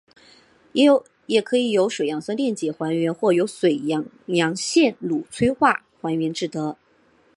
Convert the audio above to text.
也可以由水杨酸电解还原或由水杨酰卤催化还原制得。